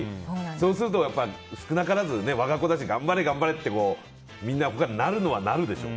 そうすると少なからず我が子に頑張れ、頑張れってみんな、なるのはなるでしょ。